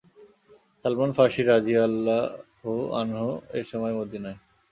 Salman Farsi রাযিয়াল্লাহু আনহু এ সময় মদীনায়।